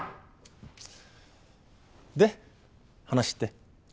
で話って？